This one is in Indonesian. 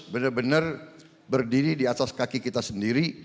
benar benar berdiri di atas kaki kita sendiri